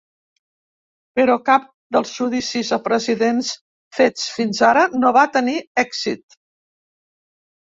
Però cap dels judicis a presidents fets fins ara no va tenir èxit.